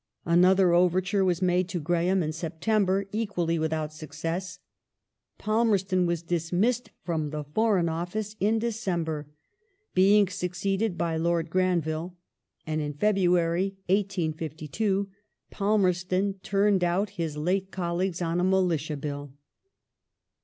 Another overture was made to Graham in September, equally without success ; Palmerston was dismissed from the Foteign Office in December, being succeeded by Lord Granville ; and in February, 1852, Palmer ston turned out his late colleagues on a Militia Bill.